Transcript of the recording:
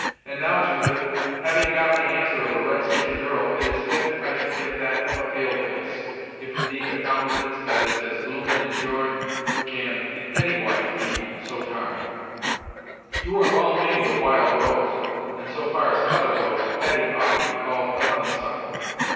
And now, Judith, having got the answer of a red skin girl, it is fit I should get that of a pale face, if, indeed, a countenance that is as blooming as your'n can in any wise so be tarmed. You are well named the Wild Rose, and so far as colour goes, Hetty ought to be called the Honeysuckle."